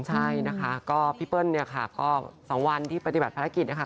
ใช่นะคะพี่เปิ้ลสองวันที่ปฏิบัติภารกิจนะคะ